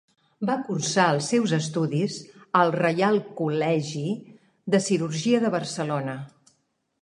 Va cursar els seus estudis al Reial col·legi de Cirurgia de Barcelona.